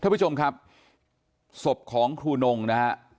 ท่านผู้ชมครับศพของครูนงนะฮะ